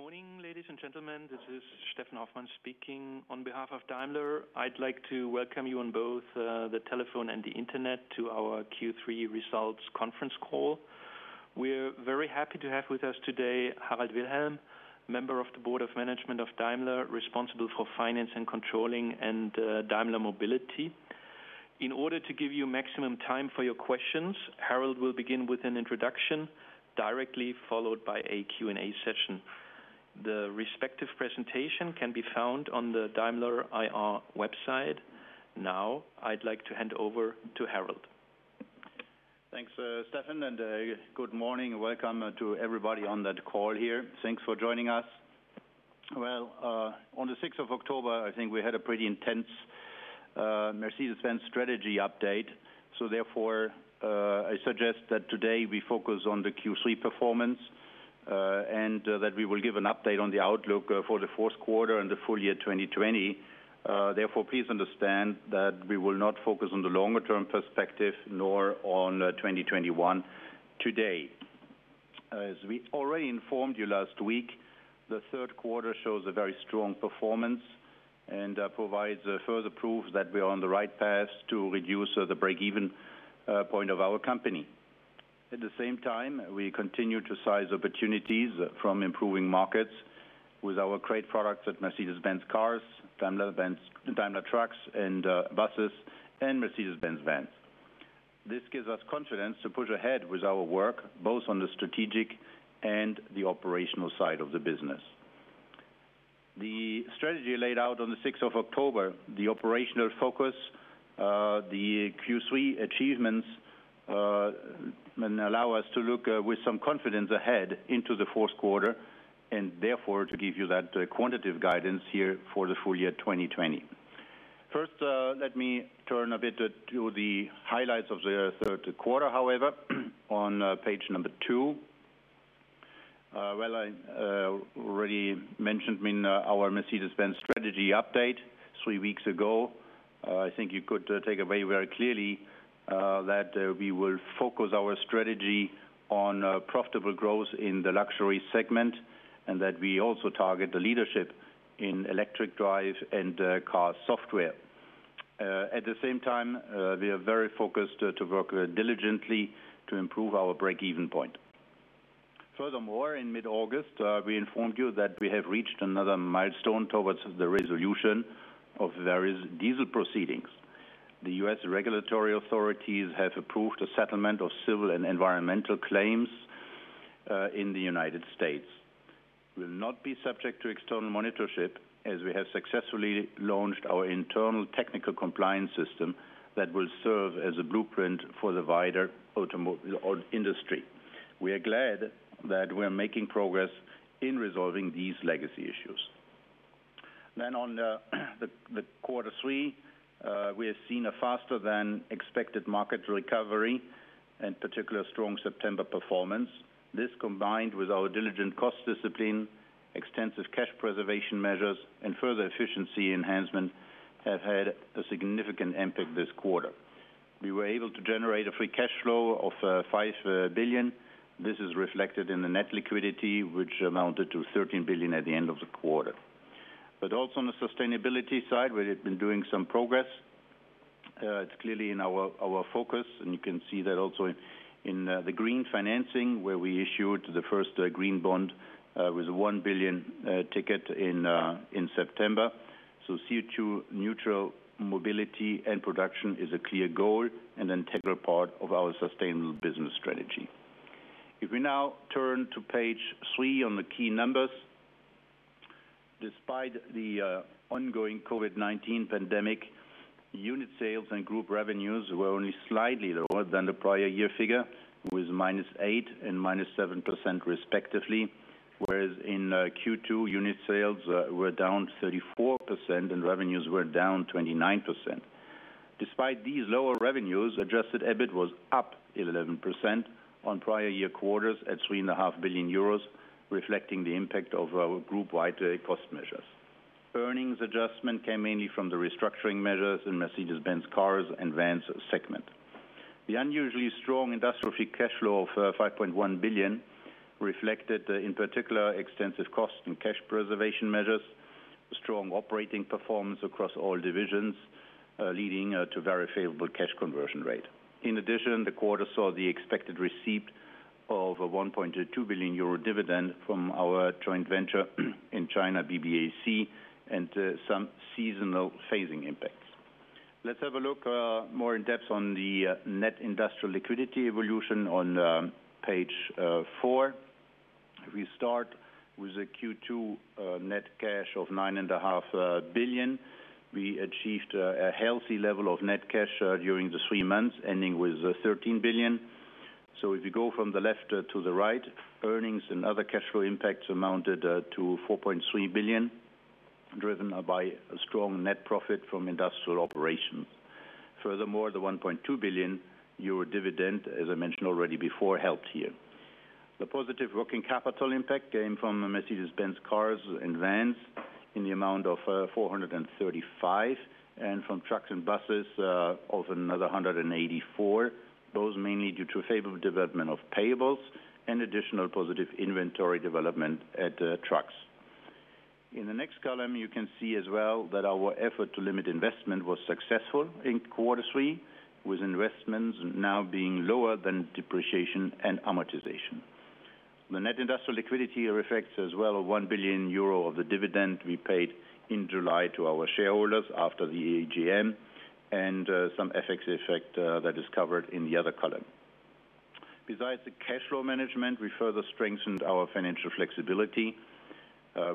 Good morning, ladies and gentlemen. This is Steffen Hoffmann speaking on behalf of Daimler. I'd like to welcome you on both the telephone and the internet to our Q3 results conference call. We're very happy to have with us today Harald Wilhelm, Member of the Board of Management of Daimler, responsible for Finance and Controlling and Daimler Mobility. In order to give you maximum time for your questions, Harald will begin with an introduction directly followed by a Q&A session. The respective presentation can be found on the Daimler IR website. Now, I'd like to hand over to Harald. Thanks, Steffen. Good morning. Welcome to everybody on that call here. Thanks for joining us. On the 6th of October, I think we had a pretty intense Mercedes-Benz strategy update. Therefore, I suggest that today we focus on the Q3 performance, and that we will give an update on the outlook for the fourth quarter and the full year 2020. Therefore, please understand that we will not focus on the longer-term perspective, nor on 2021 today. We already informed you last week, the third quarter shows a very strong performance and provides further proof that we are on the right path to reduce the break-even point of our company. At the same time, we continue to seize opportunities from improving markets with our great products at Mercedes-Benz cars, Daimler trucks and buses, and Mercedes-Benz vans. This gives us confidence to push ahead with our work, both on the strategic and the operational side of the business. The strategy laid out on the 6th of October, the operational focus, the Q3 achievements, allow us to look with some confidence ahead into the fourth quarter, and therefore, to give you that quantitative guidance here for the full year 2020. First, let me turn a bit to the highlights of the third quarter, however, on page number two. Well, I already mentioned in our Mercedes-Benz strategy update three weeks ago, I think you could take away very clearly that we will focus our strategy on profitable growth in the luxury segment, and that we also target the leadership in electric drive and car software. At the same time, we are very focused to work diligently to improve our break-even point. In mid-August, we informed you that we have reached another milestone towards the resolution of various diesel proceedings. The U.S. regulatory authorities have approved a settlement of civil and environmental claims in the United States. We will not be subject to external monitorship as we have successfully launched our internal technical compliance system that will serve as a blueprint for the wider industry. We are glad that we are making progress in resolving these legacy issues. On the quarter three, we have seen a faster-than-expected market recovery, in particular strong September performance. This, combined with our diligent cost discipline, extensive cash preservation measures, and further efficiency enhancement, have had a significant impact this quarter. We were able to generate a free cash flow of 5 billion. This is reflected in the net liquidity, which amounted to 13 billion at the end of the quarter. Also on the sustainability side, we have been doing some progress. It's clearly in our focus, and you can see that also in the green financing, where we issued the first green bond with a 1 billion ticket in September. CO2-neutral mobility and production is a clear goal and integral part of our sustainable business strategy. If we now turn to page three on the key numbers. Despite the ongoing COVID-19 pandemic, unit sales and group revenues were only slightly lower than the prior year figure, with -8% and -7% respectively, whereas in Q2, unit sales were down 34% and revenues were down 29%. Despite these lower revenues, adjusted EBIT was up 11% on prior year quarters at 3.5 billion euros, reflecting the impact of our group-wide cost measures. Earnings adjustment came mainly from the restructuring measures in Mercedes-Benz cars and vans segment. The unusually strong industrial free cash flow of 5.1 billion reflected in particular extensive cost and cash preservation measures, strong operating performance across all divisions, leading to very favorable cash conversion rate. In addition, the quarter saw the expected receipt of a 1.2 billion euro dividend from our joint venture in China, BBAC, and some seasonal phasing impacts. Let's have a look more in depth on the net industrial liquidity evolution on page four. We start with a Q2 net cash of 9.5 billion. We achieved a healthy level of net cash during the three months, ending with 13 billion. If you go from the left to the right, earnings and other cash flow impacts amounted to 4.3 billion, driven by a strong net profit from industrial operations. Furthermore, the 1.2 billion euro dividend, as I mentioned already before, helped here. The positive working capital impact came from the Mercedes-Benz cars and vans in the amount of 435 million, and from trucks and buses, also another 184 million. Those mainly due to favorable development of payables and additional positive inventory development at trucks. In the next column, you can see as well that our effort to limit investment was successful in quarter three, with investments now being lower than depreciation and amortization. The net industrial liquidity reflects as well, a 1 billion euro of the dividend we paid in July to our shareholders after the AGM, and some FX effect that is covered in the other column. Besides the cash flow management, we further strengthened our financial flexibility,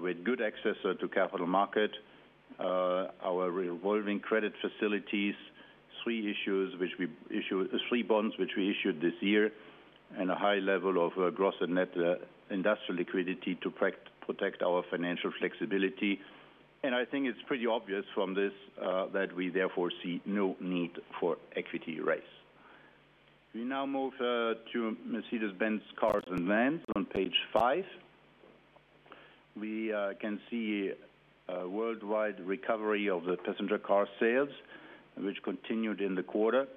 with good access to capital market, our revolving credit facilities, three bonds which we issued this year, and a high level of gross and net industrial liquidity to protect our financial flexibility. I think it's pretty obvious from this, that we therefore see no need for equity raise. We now move to Mercedes-Benz cars and vans on page five. We can see a worldwide recovery of the passenger car sales, which continued in the quarter.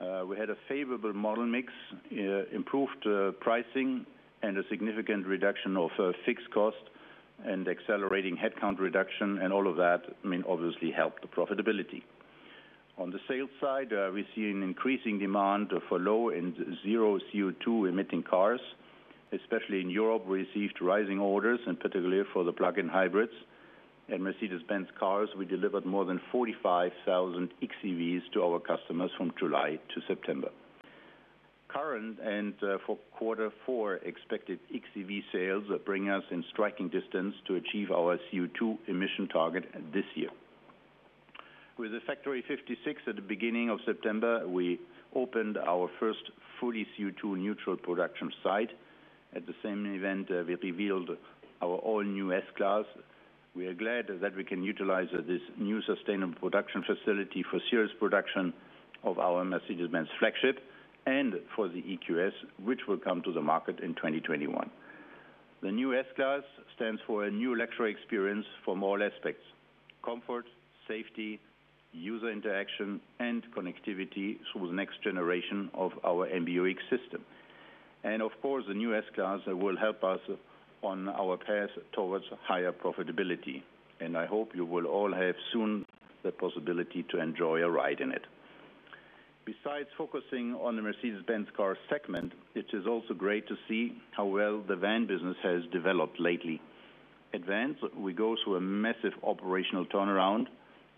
We had a favorable model mix, improved pricing, and a significant reduction of fixed cost and accelerating headcount reduction, and all of that obviously helped profitability. On the sales side, we see an increasing demand for low- and zero-CO2-emitting cars. Especially in Europe, we received rising orders, and particularly for the plug-in hybrids. At Mercedes-Benz cars, we delivered more than 45,000 xEVs to our customers from July to September. Current and for quarter four expected xEV sales bring us in striking distance to achieve our CO2 emission target this year. With the Factory 56 at the beginning of September, we opened our first fully CO2-neutral production site. At the same event, we revealed our all-new S-Class. We are glad that we can utilize this new sustainable production facility for serious production of our Mercedes-Benz flagship and for the EQS, which will come to the market in 2021. The new S-Class stands for a new luxury experience for all aspects: comfort, safety, user interaction, and connectivity through the next generation of our MBUX system. Of course, the new S-Class will help us on our path towards higher profitability, and I hope you will all have soon the possibility to enjoy a ride in it. Besides focusing on the Mercedes-Benz car segment, it is also great to see how well the vans business has developed lately. At vans, we go through a massive operational turnaround.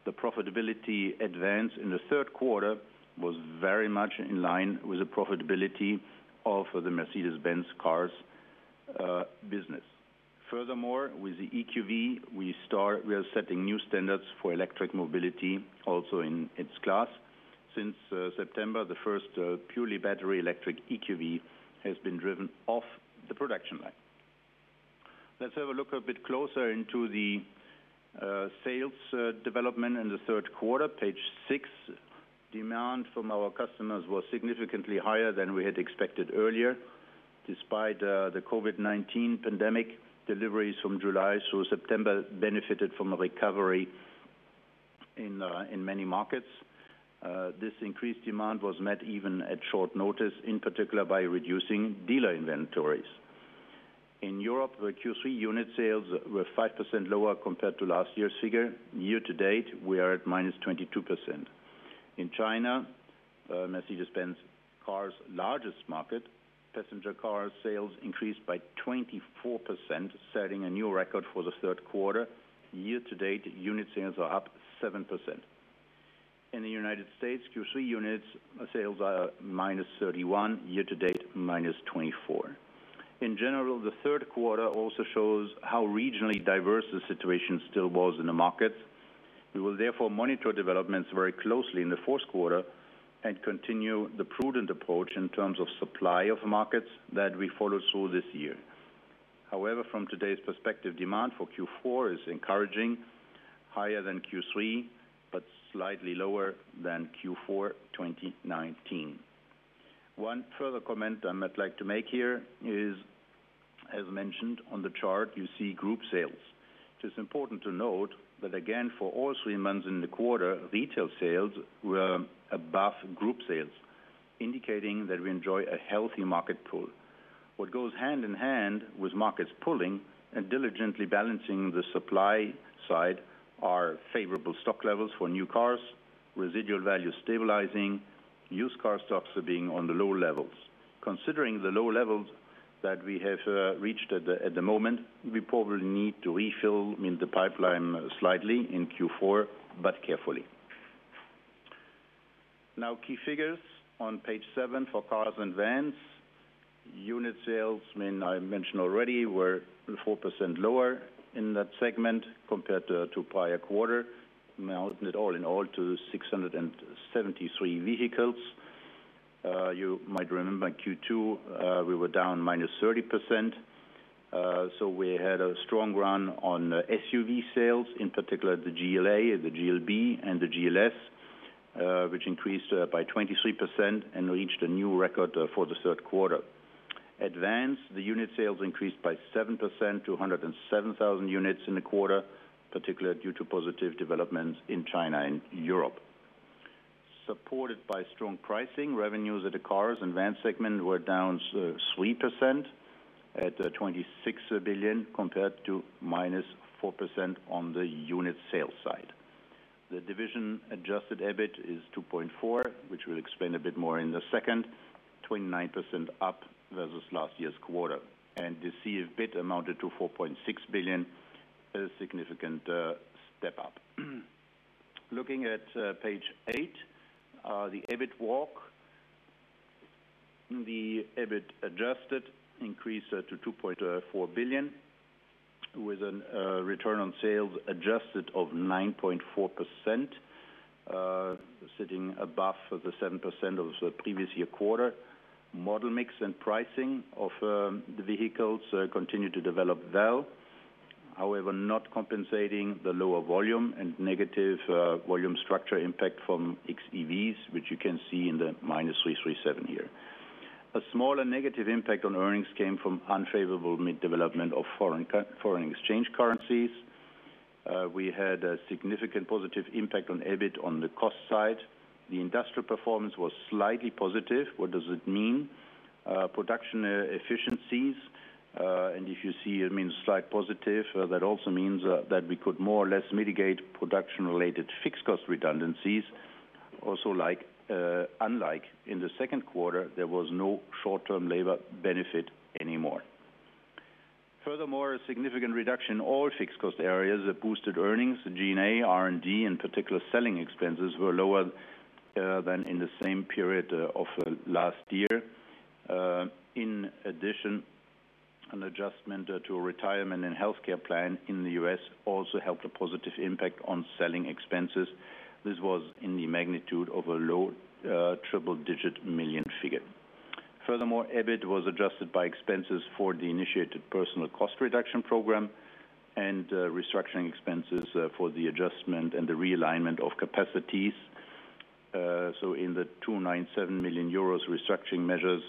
The profitability advance in the third quarter was very much in line with the profitability of the Mercedes-Benz cars business. With the EQV, we are setting new standards for electric mobility also in its class. Since September, the first purely battery electric EQV has been driven off the production line. Let's have a look a bit closer into the sales development in the third quarter, page six. Demand from our customers was significantly higher than we had expected earlier. Despite the COVID-19 pandemic, deliveries from July through September benefited from a recovery in many markets. This increased demand was met even at short notice, in particular, by reducing dealer inventories. In Europe, the Q3 unit sales were 5% lower compared to last year's figure. Year-to-date, we are at -22%. In China, Mercedes-Benz cars' largest market, passenger car sales increased by 24%, setting a new record for the third quarter. Year-to-date, unit sales are up 7%. In the U.S., Q3 units sales are -31%, year-to-date, -24%. In general, the third quarter also shows how regionally diverse the situation still was in the market. We will therefore monitor developments very closely in the fourth quarter and continue the prudent approach in terms of supply of markets that we follow through this year. From today's perspective, demand for Q4 is encouraging, higher than Q3, but slightly lower than Q4 2019. One further comment I might like to make here is, as mentioned on the chart, you see group sales. It is important to note that again, for all three months in the quarter, retail sales were above group sales, indicating that we enjoy a healthy market pull. What goes hand in hand with markets pulling and diligently balancing the supply side are favorable stock levels for new cars, residual value stabilizing, used car stocks being on the lower levels. Considering the lower levels that we have reached at the moment, we probably need to refill the pipeline slightly in Q4, but carefully. Now, key figures on page seven for cars and vans. Unit sales, I mentioned already, were 4% lower in that segment compared to prior quarter, amounting it all-in-all to 673 vehicles. You might remember in Q2, we were down -30%. We had a strong run on SUV sales, in particular, the GLA, the GLB, and the GLS, which increased by 23% and reached a new record for the third quarter. The unit sales increased by 7% to 107,000 units in the quarter, particularly due to positive developments in China and Europe. Supported by strong pricing, revenues at the cars and vans segment were down 3% at 26 billion, compared to -4% on the unit sales side. The division-adjusted EBIT is 2.4 billion, which we'll explain a bit more in a second, 29% up versus last year's quarter. The CFBIT amounted to 4.6 billion, a significant step up. Looking at page eight, the EBIT walk. The EBIT adjusted increased to 2.4 billion with a return on sales adjusted of 9.4%, sitting above the 7% of the previous year quarter. Model mix and pricing of the vehicles continue to develop well. Not compensating the lower volume and negative volume structure impact from xEVs, which you can see in the -337 million here. A smaller negative impact on earnings came from unfavorable mid-development of foreign exchange currencies. We had a significant positive impact on EBIT on the cost side. The industrial performance was slightly positive. What does it mean? Production efficiencies. If you see it means slight positive, that also means that we could more or less mitigate production-related fixed cost redundancies. Unlike in the second quarter, there was no short-term labor benefit anymore. A significant reduction in all fixed cost areas boosted earnings. G&A, R&D, and particular selling expenses were lower than in the same period of last year. An adjustment to retirement and healthcare plan in the U.S. also helped a positive impact on selling expenses. This was in the magnitude of a low triple-digit-million figure. EBIT was adjusted by expenses for the initiated personal cost reduction program and restructuring expenses for the adjustment and the realignment of capacities. In the 297 million euros restructuring measures,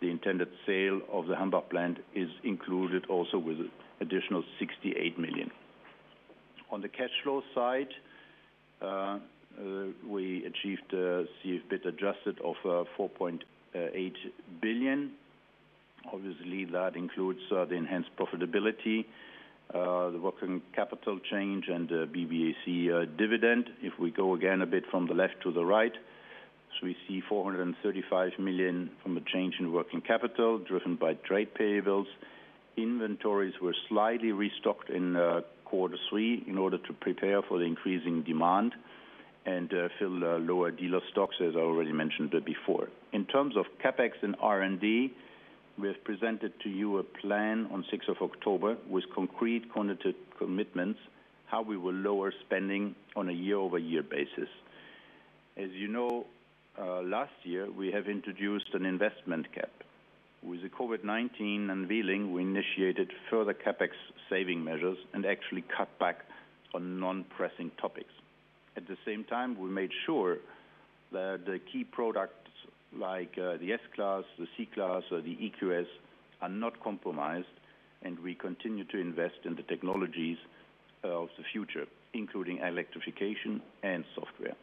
the intended sale of the Hambach plant is included also with additional 68 million. On the cash flow side, we achieved a CFBIT adjusted of 4.8 billion. Obviously, that includes the enhanced profitability, the working capital change, and BBAC dividend. If we go again a bit from the left to the right. We see 435 million from a change in working capital driven by trade payables. Inventories were slightly restocked in quarter three in order to prepare for the increasing demand and fill lower dealer stocks, as I already mentioned before. In terms of CapEx and R&D, we have presented to you a plan on 6th of October with concrete quantitative commitments, how we will lower spending on a year-over-year basis. As you know, last year, we have introduced an investment cap. With the COVID-19 unveiling, we initiated further CapEx saving measures and actually cut back on non-pressing topics. At the same time, we made sure that the key products like the S-Class, the C-Class, or the EQS are not compromised and we continue to invest in the technologies of the future, including electrification and software.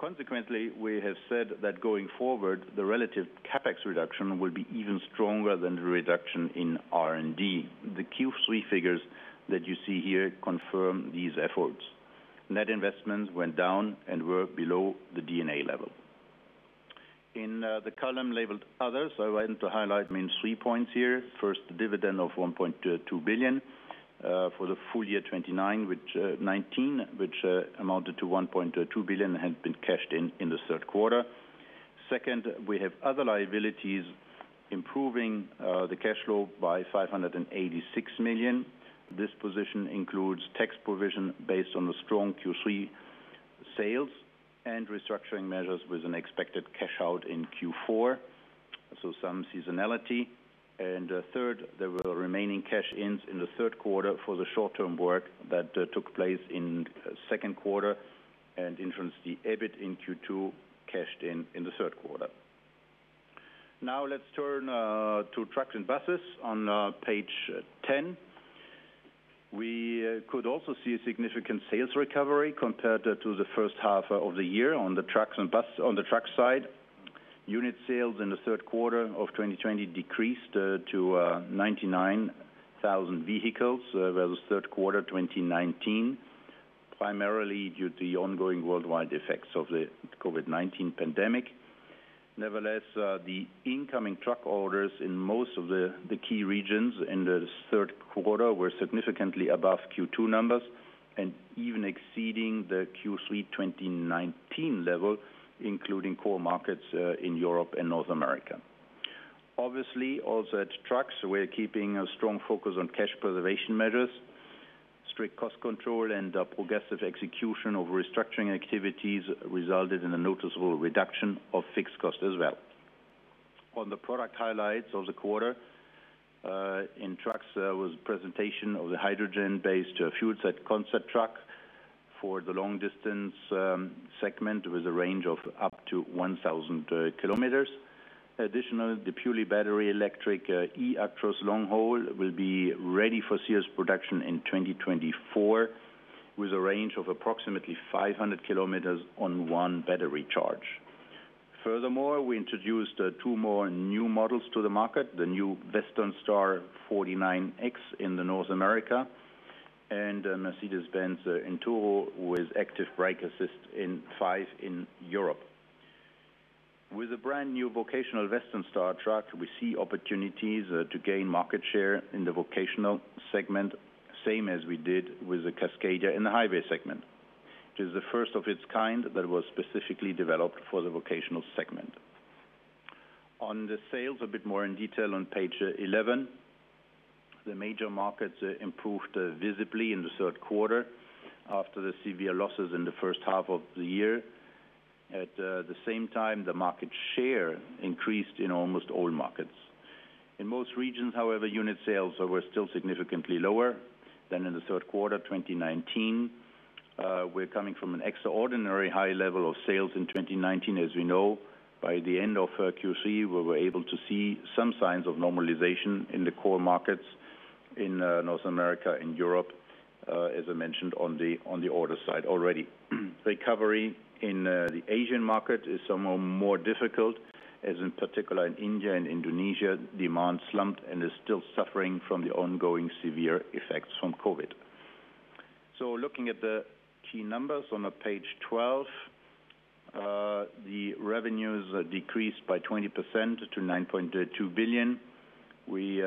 Consequently, we have said that going forward, the relative CapEx reduction will be even stronger than the reduction in R&D. The Q3 figures that you see here confirm these efforts. Net investments went down and were below the D&A level. In the column labeled Others, I wanted to highlight three points here. First, the dividend of 1.2 billion for the full year 2019, which amounted to 1.2 billion, had been cashed in the third quarter. Second, we have other liabilities improving the cash flow by 586 million. This position includes tax provision based on the strong Q3 sales and restructuring measures with an expected cash out in Q4, so some seasonality. Third, there were remaining cash-ins in the third quarter for the short-term work that took place in second quarter and influenced the EBIT in Q2 cashed in the third quarter. Now let's turn to trucks and buses on page 10. We could also see a significant sales recovery compared to the first half of the year on the trucks side. Unit sales in the third quarter of 2020 decreased to 99,000 vehicles versus third quarter 2019, primarily due to the ongoing worldwide effects of the COVID-19 pandemic. Nevertheless, the incoming truck orders in most of the key regions in the third quarter were significantly above Q2 numbers and even exceeding the Q3 2019 level, including core markets in Europe and North America. Obviously, also at trucks, we're keeping a strong focus on cash preservation measures. Strict cost control and progressive execution of restructuring activities resulted in a noticeable reduction of fixed cost as well. On the product highlights of the quarter. In trucks, there was a presentation of the hydrogen-based fuel cell concept truck for the long-distance segment with a range of up to 1,000 km. Additionally, the purely battery electric eActros LongHaul will be ready for serious production in 2024 with a range of approximately 500 km on one battery charge. Furthermore, we introduced two more new models to the market, the new Western Star 49X in North America and a Mercedes-Benz Intouro with Active Brake Assist 5 in Europe. With a brand new vocational Western Star truck, we see opportunities to gain market share in the vocational segment, same as we did with the Cascadia in the highway segment. It is the first of its kind that was specifically developed for the vocational segment. On the sales, a bit more in detail on page 11. The major markets improved visibly in the third quarter after the severe losses in the first half of the year. At the same time, the market share increased in almost all markets. In most regions, however, unit sales were still significantly lower than in the third quarter 2019. We're coming from an extraordinary high level of sales in 2019, as we know. By the end of Q3, we were able to see some signs of normalization in the core markets in North America and Europe, as I mentioned on the order side already. Recovery in the Asian market is somehow more difficult, as in particular in India and Indonesia, demand slumped and is still suffering from the ongoing severe effects from COVID. Looking at the key numbers on page 12. The revenues decreased by 20% to 9.2 billion. We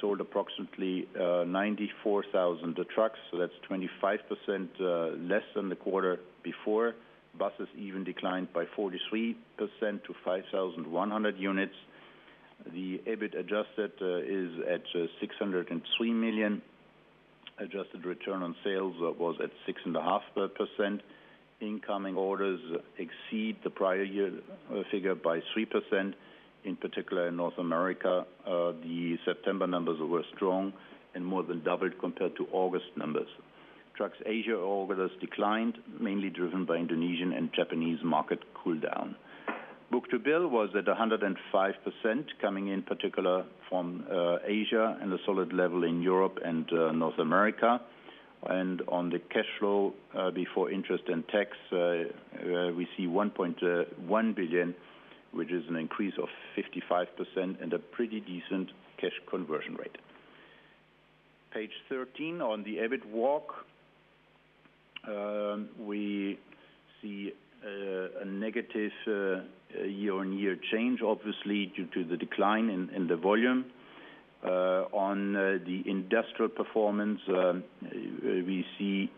sold approximately 94,000 trucks, so that's 25% less than the quarter before. Buses even declined by 43% to 5,100 units. The EBIT adjusted is at 603 million. Adjusted return on sales was at 6.5%. Incoming orders exceed the prior year figure by 3%, in particular in North America. The September numbers were strong and more than doubled compared to August numbers. Trucks Asia orders declined, mainly driven by Indonesian and Japanese market cool down. Book-to-bill was at 105%, coming in particular from Asia and a solid level in Europe and North America. On the cash flow before interest and tax, we see 1.1 billion, which is an increase of 55% and a pretty decent cash conversion rate. Page 13 on the EBIT walk. We see a negative year-on-year change, obviously, due to the decline in the volume. On the industrial performance, we see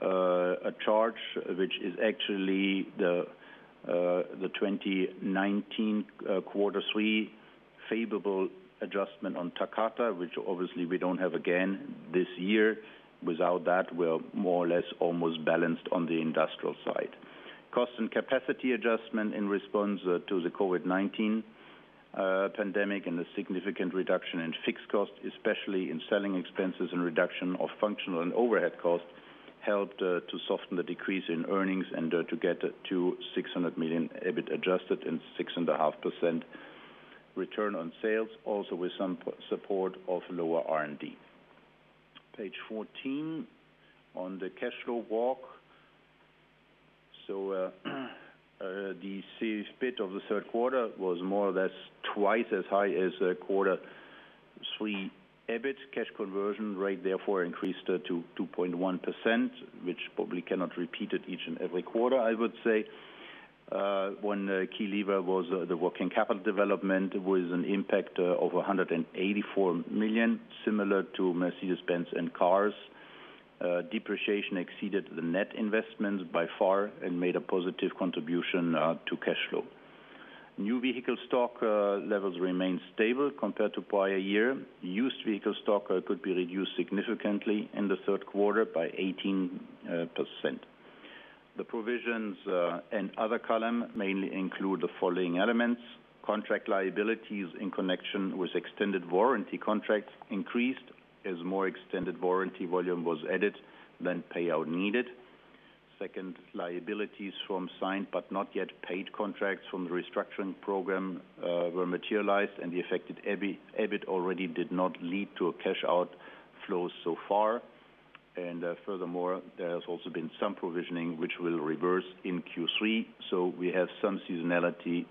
a charge which is actually the 2019 quarter three favorable adjustment on Takata, which obviously we don't have again this year. Without that, we are more or less almost balanced on the industrial side. Cost and capacity adjustment in response to the COVID-19 pandemic and a significant reduction in fixed costs, especially in selling expenses and reduction of functional and overhead costs, helped to soften the decrease in earnings and to get to 600 million EBIT adjusted and 6.5% return on sales, also with some support of lower R&D. Page 14 on the cash flow walk. The EBIT of the third quarter was more or less twice as high as the quarter three EBIT. Cash conversion rate therefore increased to 2.1%, which probably cannot repeat at each and every quarter, I would say. One key lever was the working capital development with an impact of 184 million, similar to Mercedes-Benz cars. Depreciation exceeded the net investments by far and made a positive contribution to cash flow. New vehicle stock levels remained stable compared to prior year. Used vehicle stock could be reduced significantly in the third quarter by 18%. The provisions and other column mainly include the following elements: contract liabilities in connection with extended warranty contracts increased as more extended warranty volume was added than payout needed. Second, liabilities from signed but not yet paid contracts from the restructuring program were materialized and the affected EBIT already did not lead to a cash outflow so far. Furthermore, there has also been some provisioning which will reverse in Q3. We have some seasonality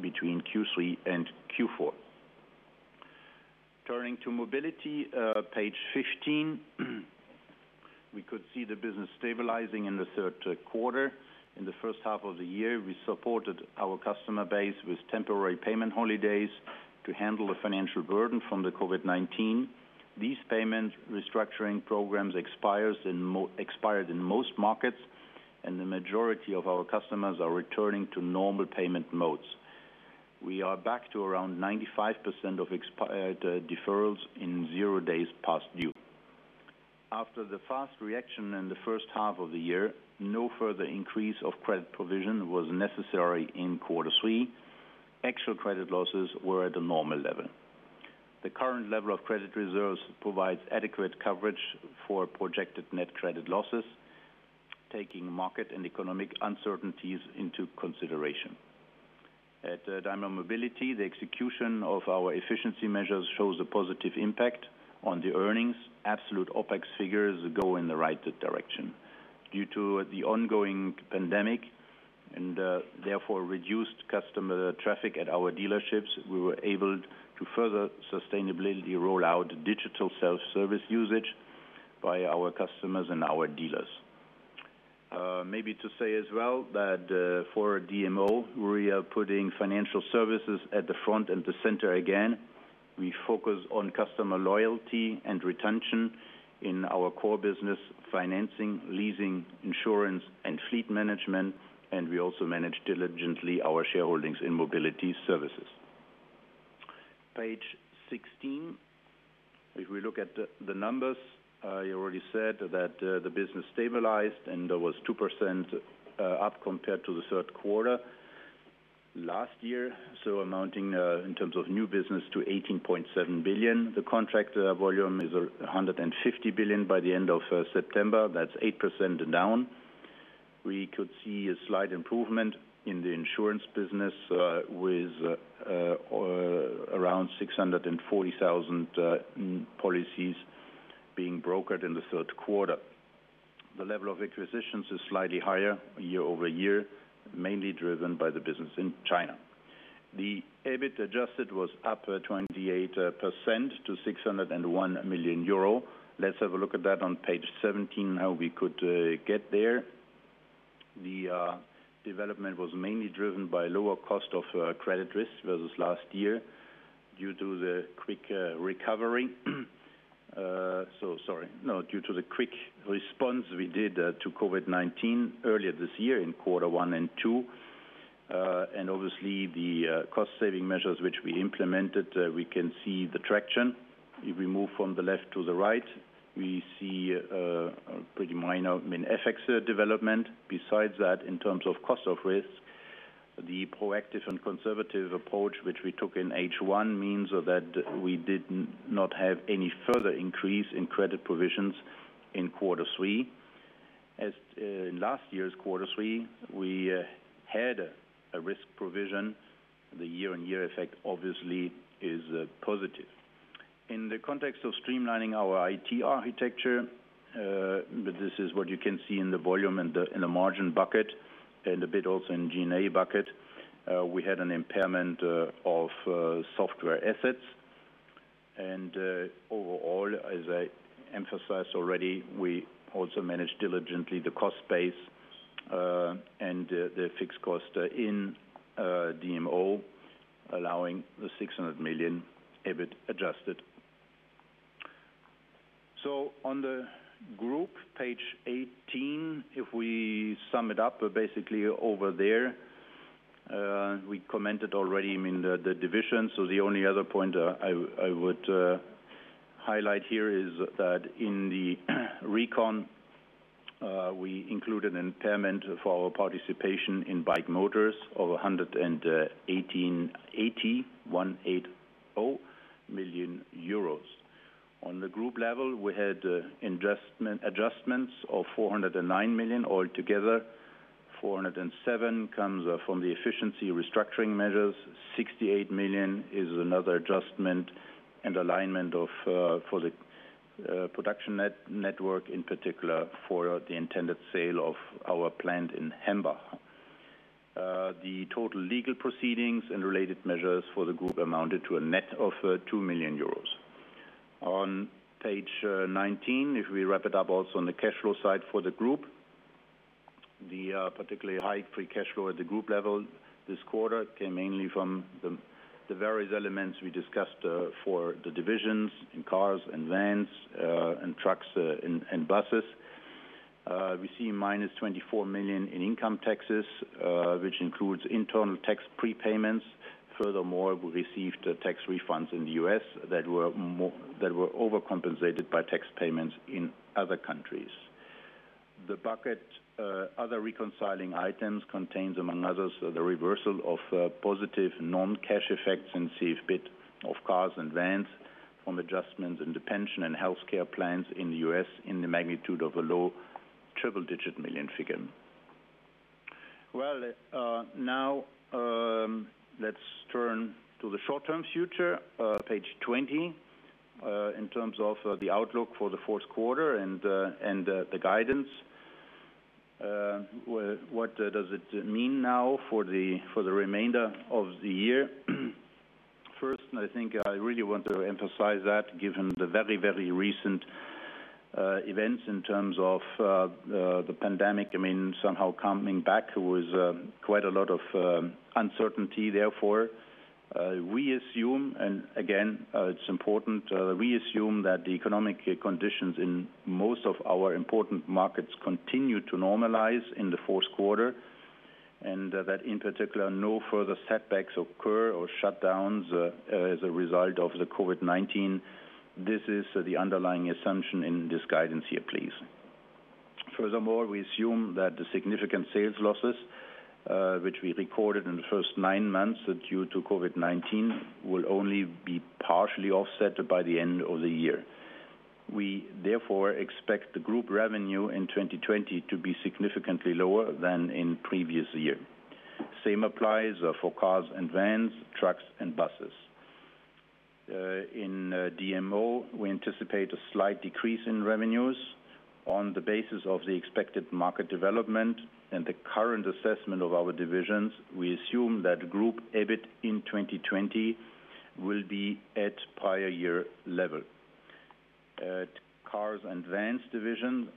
between Q3 and Q4. Turning to mobility, page 15. We could see the business stabilizing in the third quarter. In the first half of the year, we supported our customer base with temporary payment holidays to handle the financial burden from the COVID-19. These payment restructuring programs expired in most markets, and the majority of our customers are returning to normal payment modes. We are back to around 95% of expired deferrals and zero days past due. After the fast reaction in the first half of the year, no further increase of credit provision was necessary in quarter three. Actual credit losses were at a normal level. The current level of credit reserves provides adequate coverage for projected net credit losses, taking market and economic uncertainties into consideration. At Daimler Mobility, the execution of our efficiency measures shows a positive impact on the earnings. Absolute OpEx figures go in the right direction. Due to the ongoing pandemic and therefore reduced customer traffic at our dealerships, we were able to further sustainably roll out digital self-service usage by our customers and our dealers. Maybe to say as well, that for DMO, we are putting financial services at the front and the center again. We focus on customer loyalty and retention in our core business financing, leasing, insurance, and fleet management, and we also manage diligently our shareholdings in mobility services. Page 16. If we look at the numbers, I already said that the business stabilized, and there was 2% up compared to the third quarter last year. Amounting, in terms of new business, to 18.7 billion. The contract volume is 150 billion by the end of September. That's 8% down. We could see a slight improvement in the insurance business, with around 640,000 policies being brokered in the third quarter. The level of acquisitions is slightly higher year-over-year, mainly driven by the business in China. The EBIT adjusted was up 28% to 601 million euro. Let's have a look at that on page 17, how we could get there. The development was mainly driven by lower cost of credit risk versus last year due to the quick response we did to COVID-19 earlier this year in quarter one and quarter two. Obviously, the cost-saving measures which we implemented, we can see the traction. If we move from the left to the right, we see a pretty minor FX development. Besides that, in terms of cost of risk, the proactive and conservative approach which we took in H1 means that we did not have any further increase in credit provisions in quarter three. In last year's quarter three, we had a risk provision. The year-on-year effect obviously is positive. In the context of streamlining our IT architecture, this is what you can see in the volume and in the margin bucket and a bit also in G&A bucket, we had an impairment of software assets. Overall, as I emphasized already, we also managed diligently the cost base and the fixed cost in DMO, allowing the 600 million EBIT adjusted. On the group, page 18, if we sum it up, basically over there, we commented already in the division. The only other point I would highlight here is that in the recon, we included an impairment for our participation in BAIC Motor of 180 million euros. On the group level, we had adjustments of 409 million altogether, 407 million comes from the efficiency restructuring measures, 68 million is another adjustment and alignment for the production network, in particular for the intended sale of our plant in Hambach. The total legal proceedings and related measures for the group amounted to a net of 2 million euros. On page 19, if we wrap it up also on the cash flow side for the group, the particularly high free cash flow at the group level this quarter came mainly from the various elements we discussed for the divisions in cars and vans, and trucks and buses. We see -24 million in income taxes, which includes internal tax prepayments. We received tax refunds in the U.S. that were overcompensated by tax payments in other countries. The bucket other reconciling items contains, among others, the reversal of positive non-cash effects in CFBIT of cars and vans from adjustments in the pension and healthcare plans in the U.S. in the magnitude of a low triple-digit-million figure. Well, now let's turn to the short-term future, page 20, in terms of the outlook for the fourth quarter and the guidance. What does it mean now for the remainder of the year? First, I think I really want to emphasize that given the very recent events in terms of the pandemic, somehow coming back, there was quite a lot of uncertainty therefore. We assume, and again, it's important, we assume that the economic conditions in most of our important markets continue to normalize in the fourth quarter. That in particular, no further setbacks occur or shutdowns as a result of the COVID-19. This is the underlying assumption in this guidance here, please. Furthermore, we assume that the significant sales losses, which we recorded in the first nine months due to COVID-19, will only be partially offset by the end of the year. We therefore expect the Group revenue in 2020 to be significantly lower than in previous year. Same applies for cars and vans, trucks and buses. In DMO, we anticipate a slight decrease in revenues on the basis of the expected market development and the current assessment of our divisions. We assume that Group EBIT in 2020 will be at prior year level. At cars and vans division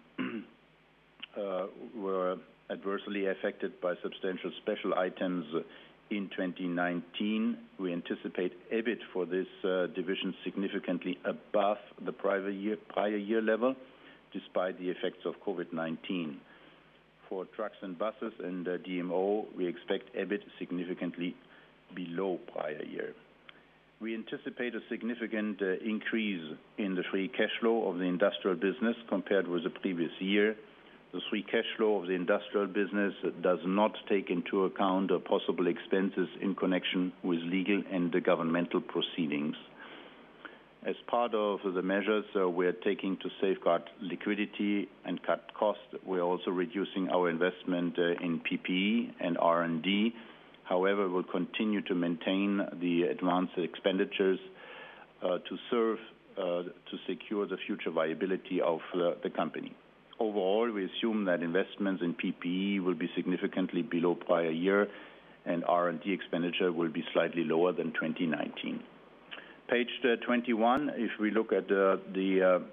were adversely affected by substantial special items in 2019. We anticipate EBIT for this division significantly above the prior year level, despite the effects of COVID-19. For trucks and buses and DMO, we expect EBIT significantly below prior year. We anticipate a significant increase in the free cash flow of the industrial business compared with the previous year. The free cash flow of the industrial business does not take into account possible expenses in connection with legal and the governmental proceedings. As part of the measures we're taking to safeguard liquidity and cut cost, we're also reducing our investment in PPE and R&D. However, we'll continue to maintain the advanced expenditures to secure the future viability of the company. Overall, we assume that investments in PPE will be significantly below prior year, and R&D expenditure will be slightly lower than 2019. Page 21. If we look at the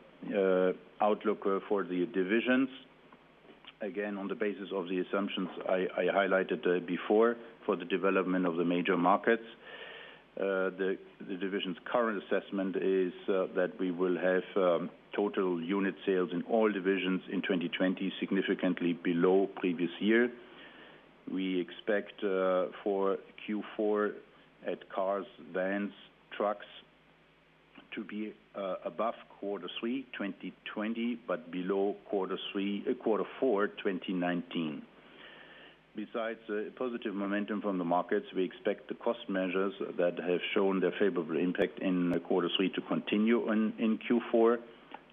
outlook for the divisions, again, on the basis of the assumptions I highlighted before for the development of the major markets. The division's current assessment is that we will have total unit sales in all divisions in 2020, significantly below previous year. We expect for Q4 at cars, vans, trucks to be above quarter three 2020, but below quarter four 2019. Besides the positive momentum from the markets, we expect the cost measures that have shown their favorable impact in quarter three to continue in Q4,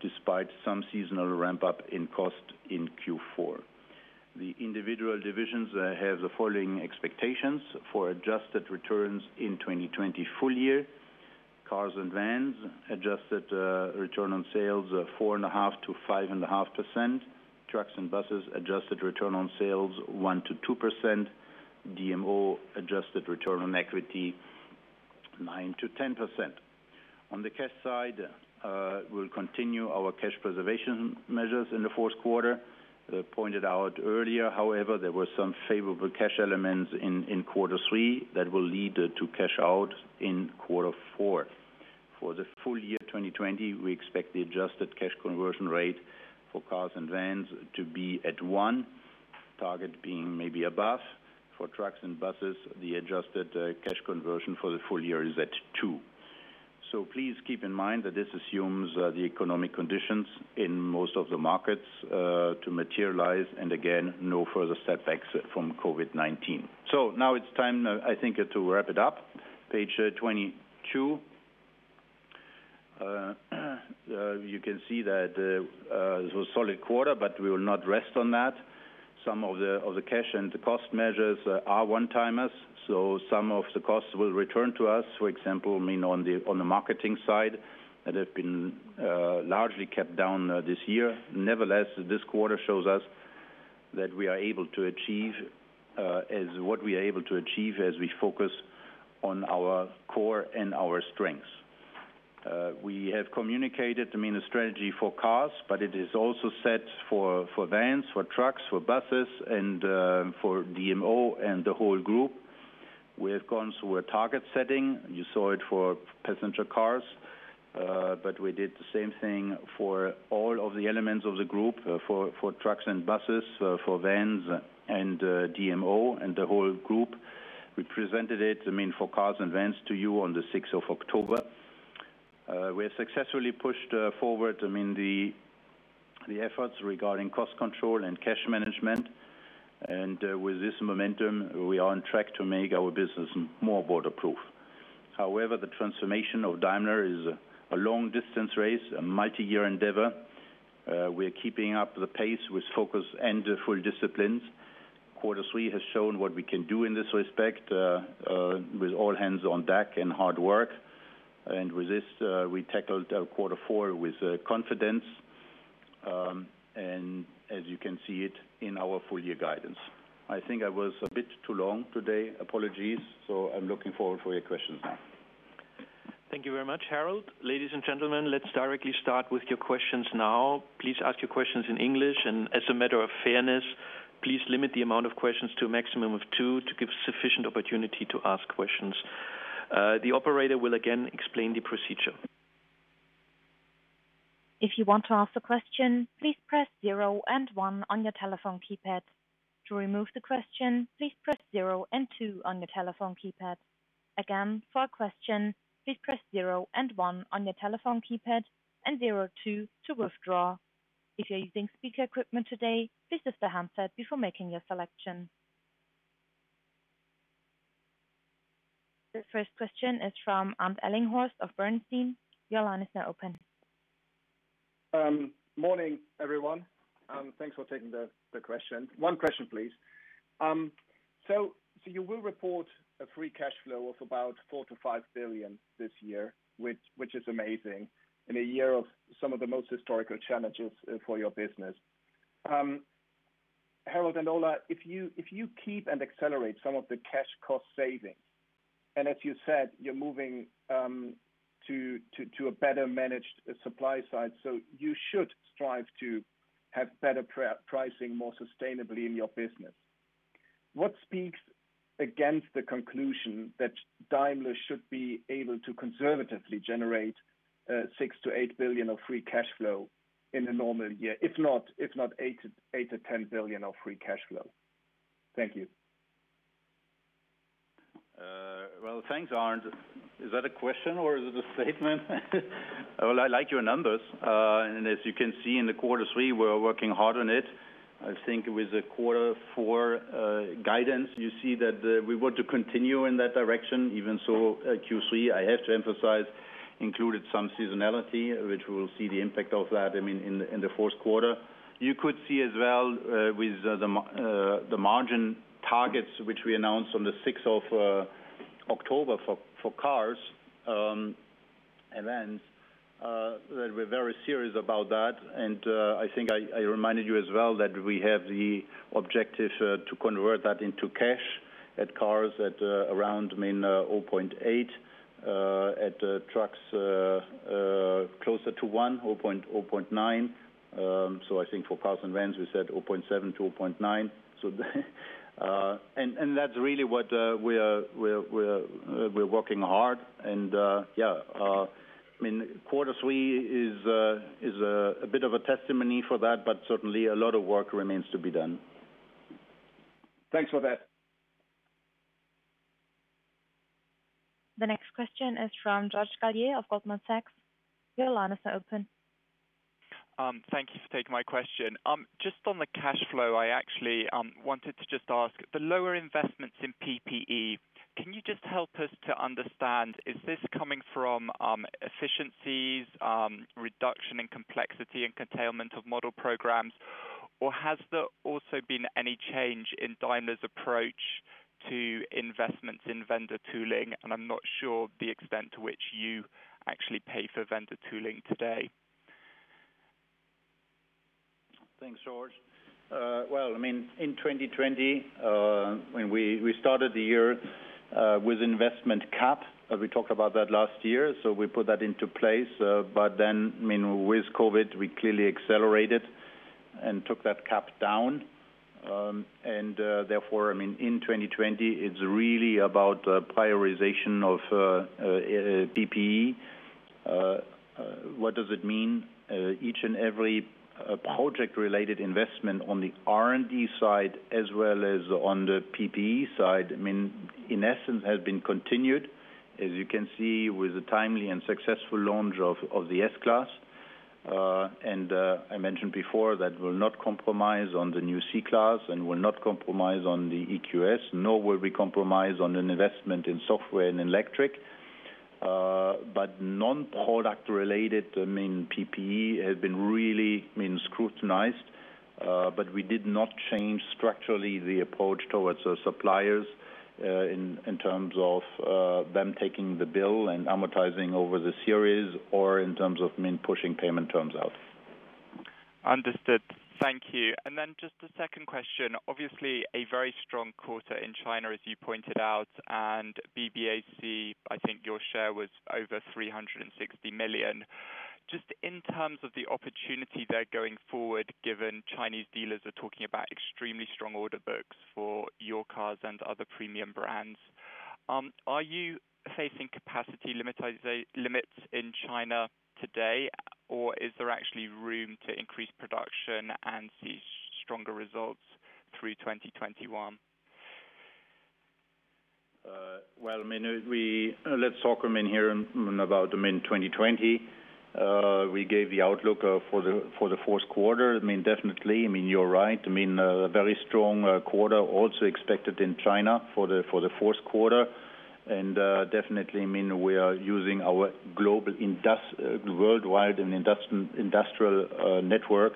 despite some seasonal ramp-up in cost in Q4. The individual divisions have the following expectations for adjusted returns in 2020 full year. cars and vans, adjusted return on sales, 4.5%-5.5%. trucks and buses, adjusted return on sales, 1%-2%. DMO, adjusted return on equity, 9%-10%. On the cash side, we'll continue our cash preservation measures in fourth quarter. Pointed out earlier, however, there were some favorable cash elements in quarter three that will lead to cash out in quarter four. For the full year 2020, we expect the adjusted cash conversion rate for cars and vans to be at one, target being maybe above. For trucks and buses, the adjusted cash conversion for the full year is at two. Please keep in mind that this assumes the economic conditions in most of the markets to materialize, and again, no further setbacks from COVID-19. Now it's time, I think, to wrap it up. Page 22. You can see that it was a solid quarter, but we will not rest on that. Some of the cash and the cost measures are one-timers, so some of the costs will return to us. For example, on the marketing side, that have been largely kept down this year. Nevertheless, this quarter shows us what we are able to achieve as we focus on our core and our strengths. We have communicated the strategy for cars, but it is also set for vans, for trucks, for buses, and for DMO and the whole group. We have gone through a target-setting. You saw it for passenger cars. We did the same thing for all of the elements of the group, for trucks and buses, for vans and DMO and the whole group. We presented it for cars and vans to you on the 6th of October. We have successfully pushed forward the efforts regarding cost control and cash management. With this momentum, we are on track to make our business more bulletproof. However, the transformation of Daimler is a long-distance race, a multi-year endeavor. We're keeping up the pace with focus and full disciplines. Quarter three has shown what we can do in this respect, with all hands on deck and hard work. With this, we tackled our quarter four with confidence, and as you can see it in our full-year guidance. I think I was a bit too long today. Apologies. I'm looking forward for your questions now. Thank you very much, Harald. Ladies and gentlemen, let's directly start with your questions now. Please ask your questions in English, and as a matter of fairness, please limit the amount of questions to a maximum of two to give sufficient opportunity to ask questions. The operator will again explain the procedure. If you want to ask a question, please press zero and one on your telephone keypad. To remove the question, please press zero and two on your telephone keypad. Again, for a question, please press zero and one on your telephone keypad, and zero two to withdraw. If you are using speaker equipment today, please lift the handset before making your selection. The first question is from Arndt Ellinghorst of Bernstein. Your line is now open. Morning, everyone. Thanks for taking the question. One question, please. You will report a free cash flow of about 4 billion-5 billion this year, which is amazing in a year of some of the most historical challenges for your business. Harald and Ola, if you keep and accelerate some of the cash cost saving, and as you said, you're moving to a better-managed supply side, you should strive to have better pricing more sustainably in your business. What speaks against the conclusion that Daimler should be able to conservatively generate 6 billion-8 billion of free cash flow in a normal year? If not, 8 billion-10 billion of free cash flow. Thank you. Well, thanks, Arndt. Is that a question or is it a statement? Well, I like your numbers. As you can see in the quarter three, we're working hard on it. I think with the quarter four guidance, you see that we want to continue in that direction. Even so, Q3, I have to emphasize, included some seasonality, which we'll see the impact of that in the fourth quarter. You could see as well, with the margin targets, which we announced on the 6th of October for cars, and then that we're very serious about that. I think I reminded you as well that we have the objective to convert that into cash at cars at around 0.8, at trucks closer to one, or 0.9. I think for cars and vans, we said 0.7-0.9. That's really what we're working hard and, yeah. Quarter three is a bit of a testimony for that, but certainly a lot of work remains to be done. Thanks for that. The next question is from George Galliers of Goldman Sachs. Your line is now open. Thank you for taking my question. Just on the cash flow, I actually wanted to just ask, the lower investments in PPE, can you just help us to understand, is this coming from efficiencies, reduction in complexity and curtailment of model programs? Or has there also been any change in Daimler's approach to investments in vendor tooling? I'm not sure the extent to which you actually pay for vendor tooling today. Thanks, George. Well, in 2020, when we started the year with investment cap, we talked about that last year. We put that into place. With COVID-19, we clearly accelerated and took that cap down. Therefore, in 2020, it's really about prioritization of PPE. What does it mean? Each and every project-related investment on the R&D side as well as on the PPE side, in essence, has been continued, as you can see with the timely and successful launch of the S-Class. I mentioned before that we'll not compromise on the new C-Class and will not compromise on the EQS, nor will we compromise on an investment in software and electric. Non-product-related PPE has been really scrutinized. We did not change structurally the approach towards the suppliers, in terms of them taking the bill and amortizing over the series or in terms of pushing payment terms out. Understood. Thank you. Just a second question. Obviously, a very strong quarter in China, as you pointed out, and BBAC, I think your share was over 360 million. Just in terms of the opportunity there going forward, given Chinese dealers are talking about extremely strong order books for your cars and other premium brands, are you facing capacity limits in China today, or is there actually room to increase production and see stronger results through 2021? Well, let's talk here about 2020. We gave the outlook for the fourth quarter. Definitely, you're right. A very strong quarter also expected in China for the fourth quarter. Definitely, we are using our global worldwide and industrial network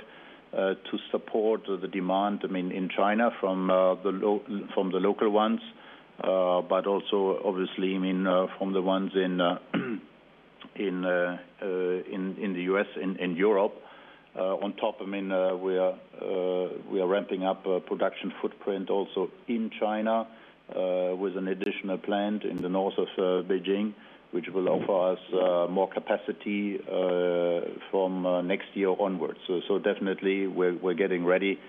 to support the demand in China from the local ones, but also obviously from the ones in the U.S. and Europe. On top, we are ramping up a production footprint also in China, with an additional plant in the north of Beijing, which will offer us more capacity from next year onwards. Definitely, we're getting ready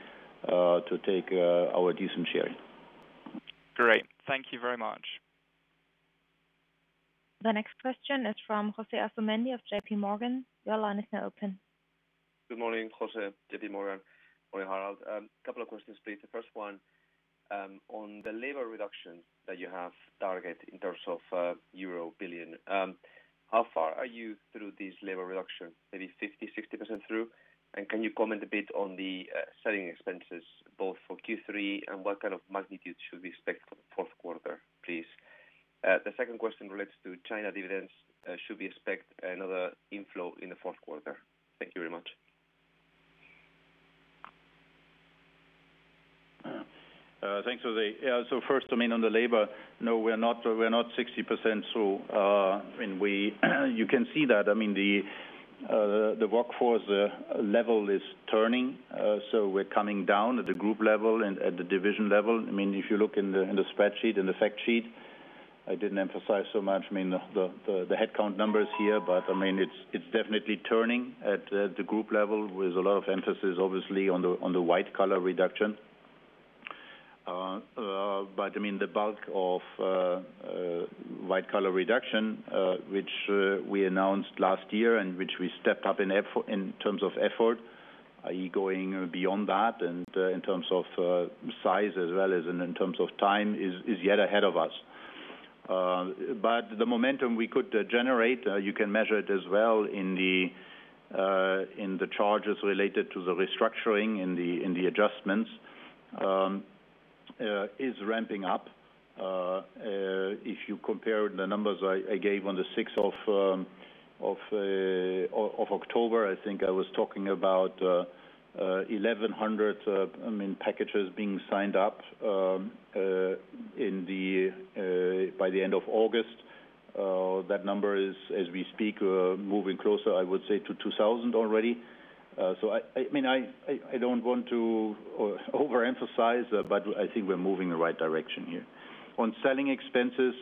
to take our decent share. Great. Thank you very much. The next question is from José Asumendi of JPMorgan. Your line is now open. Good morning, José, JPMorgan. Morning, Harald. A couple of questions, please. The first one on the labor reduction that you have targeted in terms of euro billion. How far are you through this labor reduction? Maybe 50%, 60% through? Can you comment a bit on the selling expenses both for Q3 and what kind of magnitude should we expect for the fourth quarter, please? The second question relates to China dividends. Should we expect another inflow in the fourth quarter? Thank you very much. Thanks, José. First, on the labor, no, we're not 60% through. You can see that. The workforce level is turning, so we're coming down at the group level and at the division level. If you look in the spreadsheet, in the fact sheet, I didn't emphasize so much the headcount numbers here, but it's definitely turning at the group level with a lot of emphasis, obviously, on the white collar reduction. The bulk of white collar reduction, which we announced last year and which we stepped up in terms of effort, are you going beyond that and in terms of size as well as in terms of time, is yet ahead of us. The momentum we could generate, you can measure it as well in the charges related to the restructuring in the adjustments, is ramping up. If you compare the numbers I gave on the 6th of October, I think I was talking about 1,100 packages being signed up by the end of August. That number is, as we speak, moving closer, I would say to 2,000 already. I don't want to overemphasize, but I think we're moving in the right direction here. On selling expenses,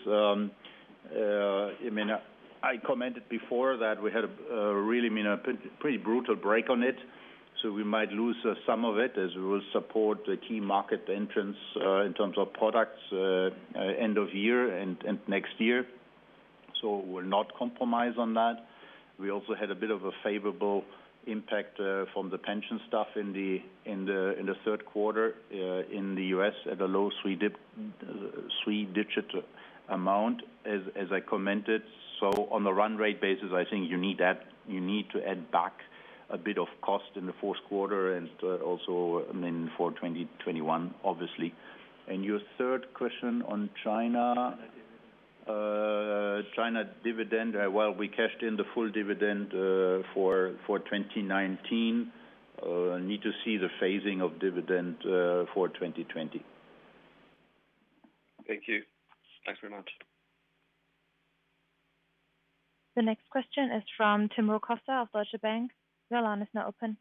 I commented before that we had a really pretty brutal break on it, so we might lose some of it as we will support the key market entrants in terms of products end of year and next year. We'll not compromise on that. We also had a bit of a favorable impact from the pension stuff in the third quarter in the U.S. at a low three-digit amount, as I commented. On the run rate basis, I think you need to add back a bit of cost in the fourth quarter and also for 2021, obviously. Your third question on China. China dividend. China dividend. Well, we cashed in the full dividend for 2019. We need to see the phasing of dividend for 2020. Thank you. Thanks very much. The next question is from Tim Rokossa of Deutsche Bank. Your line is now open.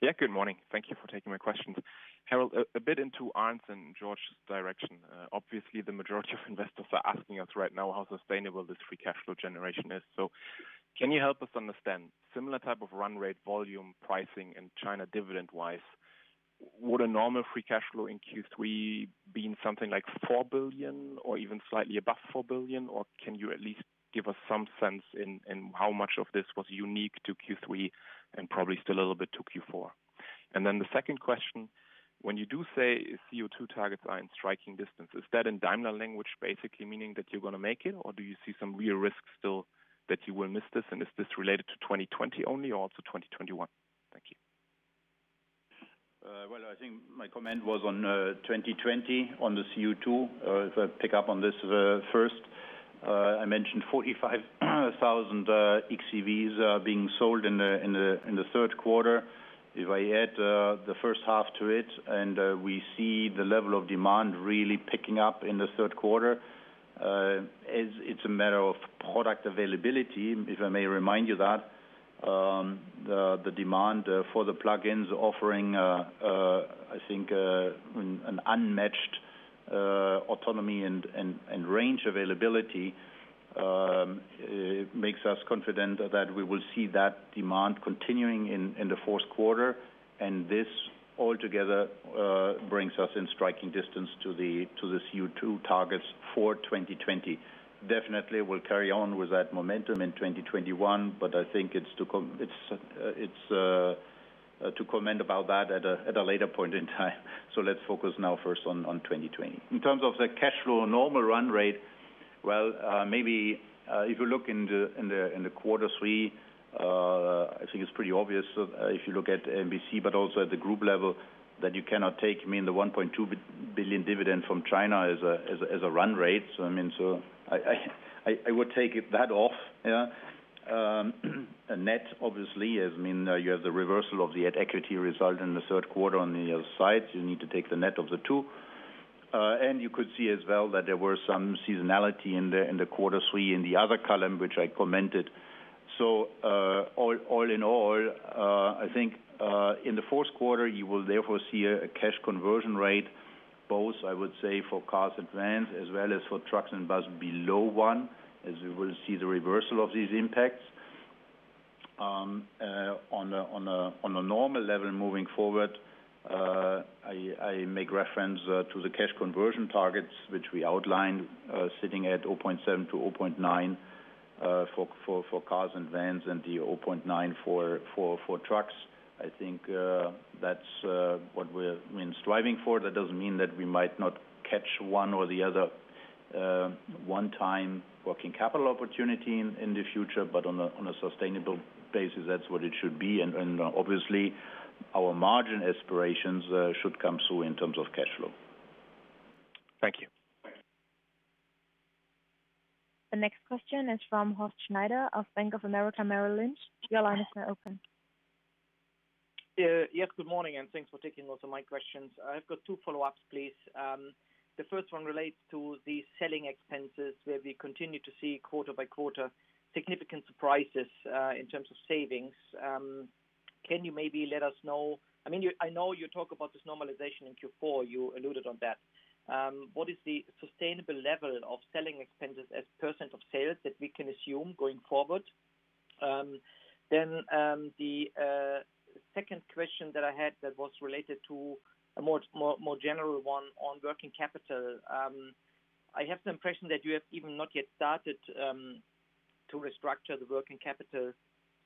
Yeah, good morning. Thank you for taking my questions. Harald, a bit into Arndt's and George's direction. Obviously, the majority of investors are asking us right now how sustainable this free cash flow generation is. Can you help us understand, similar type of run rate volume pricing in China dividend-wise, would a normal free cash flow in Q3 been something like 4 billion or even slightly above 4 billion? Can you at least give us some sense in how much of this was unique to Q3 and probably still a little bit to Q4? The second question, when you do say CO2 targets are in striking distance, is that in Daimler language, basically meaning that you're going to make it, or do you see some real risk still that you will miss this? Is this related to 2020 only or also 2021? Thank you. Well, I think my comment was on 2020 on the CO2. If I pick up on this first, I mentioned 45,000 xEVs are being sold in the third quarter. If I add the first half to it and we see the level of demand really picking up in the third quarter, it's a matter of product availability. If I may remind you that the demand for the plug-ins offering I think an unmatched autonomy and range availability makes us confident that we will see that demand continuing in the fourth quarter, and this altogether brings us in striking distance to the CO2 targets for 2020. Definitely, we'll carry on with that momentum in 2021, but I think it's to comment about that at a later point in time. Let's focus now first on 2020. In terms of the cash flow normal run rate, well, maybe if you look in the quarter three, I think it's pretty obvious if you look at MBC, but also at the group level that you cannot take the 1.2 billion dividend from China as a run rate. I would take that off. Yeah. A net, obviously, as you have the reversal of the net equity result in the third quarter on the other side. You need to take the net of the two. You could see as well that there were some seasonality in the quarter three in the other column, which I commented. All in all, I think in the fourth quarter you will therefore see a cash conversion rate, both, I would say, for cars and vans, as well as for trucks and bus below one, as we will see the reversal of these impacts. On a normal level moving forward, I make reference to the cash conversion targets, which we outlined sitting at 0.7-0.9 for cars and vans and the 0.9 for trucks. I think that's what we're striving for. That doesn't mean that we might not catch one or the other one-time working capital opportunity in the future, but on a sustainable basis, that's what it should be. Obviously, our margin aspirations should come through in terms of cash flow. Thank you. The next question is from Horst Schneider of Bank of America Merrill Lynch. Your line is now open. Yes. Good morning, thanks for taking most of my questions. I've got two follow-ups, please. The first one relates to the selling expenses, where we continue to see quarter by quarter significant surprises, in terms of savings. Can you maybe let us know, I know you talk about this normalization in Q4, you alluded on that. What is the sustainable level of selling expenses as percent of sales that we can assume going forward? The second question that I had that was related to a more general one on working capital. I have the impression that you have even not yet started to restructure the working capital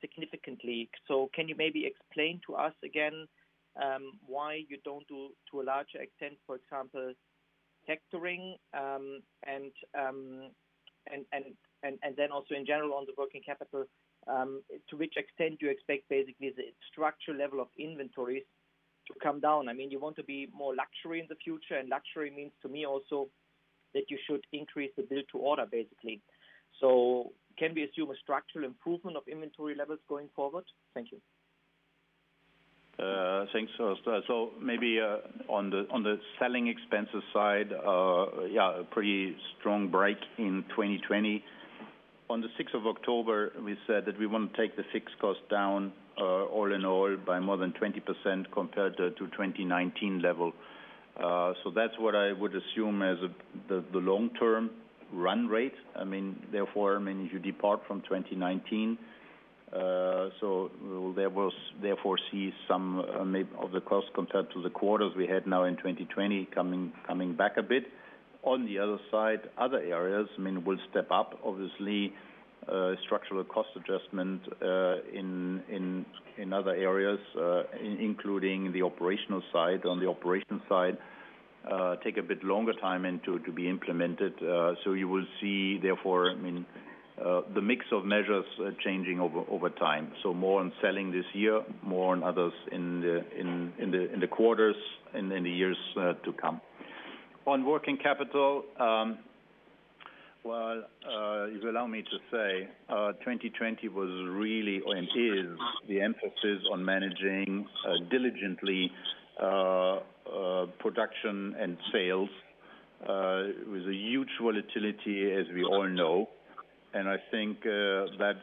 significantly. Can you maybe explain to us again, why you don't do to a large extent, for example, factoring, and then also in general on the working capital, to which extent you expect basically the structural level of inventories to come down? You want to be more luxury in the future, and luxury means to me also that you should increase the build-to-order basically. Can we assume a structural improvement of inventory levels going forward? Thank you. Thanks, Horst. Maybe, on the selling expenses side, yeah, a pretty strong break in 2020. On the 6th of October, we said that we want to take the fixed cost down, all in all by more than 20% compared to 2019 level. That's what I would assume as the long-term run rate. Therefore, if you depart from 2019, there will therefore see some of the cost compared to the quarters we had now in 2020 coming back a bit. On the other side, other areas will step up, obviously, structural cost adjustment in other areas, including the operational side. On the operation side take a bit longer time to be implemented. You will see therefore the mix of measures changing over time. More on selling this year, more on others in the quarters, and in the years to come. On working capital, well, if you allow me to say, 2020 was really, and is the emphasis on managing diligently production and sales, with a huge volatility as we all know. I think that's